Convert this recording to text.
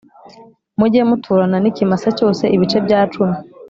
Mujye muturana n ikimasa cyose ibice bya cumi